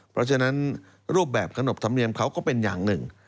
เพราะฉะนั้นรูปแบบขนบธรรมเนียมเขาก็เป็นอย่างหนึ่ง